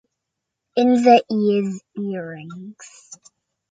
In the ears earrings.